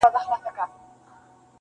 لا ورکه له ذاهدهیاره لار د توبې نه ده,